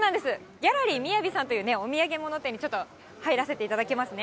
ギャラリーみやびさんというお土産物店に、ちょっと入らせていただきますね。